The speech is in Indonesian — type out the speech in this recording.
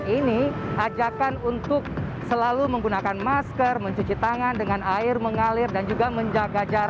ini ajakan untuk selalu menggunakan masker mencuci tangan dengan air mengalir dan juga menjaga jarak